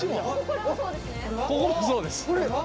ここもそうです。